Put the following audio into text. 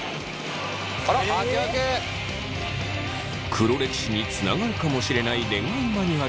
黒歴史につながるかもしれない恋愛マニュアル。